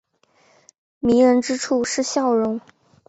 迷人之处是笑容。